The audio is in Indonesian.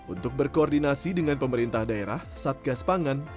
untuk berkoordinasi dengan pemerintah daerah satgas pangan